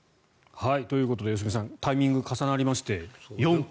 ということで良純さんタイミングが重なりまして４頭。